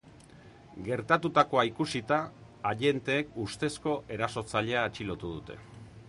Gertatutakoa ikusita, agenteek ustezko erasotzailea atxilotu dute.